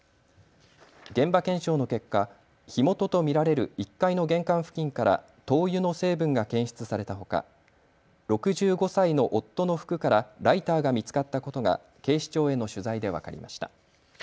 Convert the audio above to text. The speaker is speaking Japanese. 現場検証の結果、火元と見られる１階の玄関付近から灯油の成分が検出されたほか６５歳の夫の服からライターが見つかったことが警視庁への取材で分かりました。